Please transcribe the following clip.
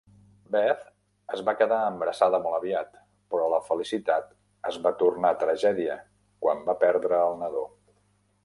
Beth es va quedar embarassada molt aviat, però la felicitat es va tornar tragèdia quan va perdre el nadó.